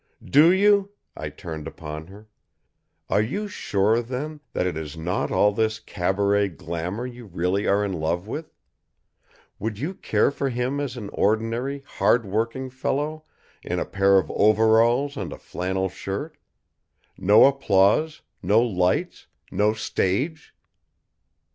"Do you?" I turned upon her. "Are you sure, then, that it is not all this cabaret glamour you really are in love with? Would you care for him as an ordinary, hard working fellow in a pair of overalls and a flannel shirt? No applause, no lights, no stage?"